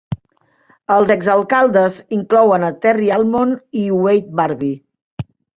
Els ex alcaldes inclouen a Terry Almond i a Wade Barbee.